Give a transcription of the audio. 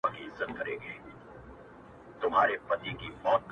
سل کلونه، زرکلونه، ډېر د وړاندي.!